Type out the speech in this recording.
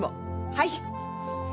はい！